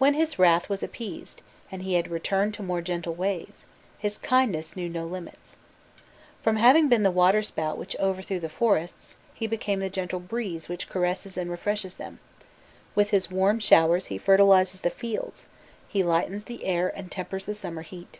When his wrath was appeased, and he had returned to more gentle ways, his kindness knew no limits. From having been the waterspout which overthrew the forests, he became the gentle breeze which caresses and refreshes them: with his warm showers he fertilizes the fields: he lightens the air and tempers the summer heat.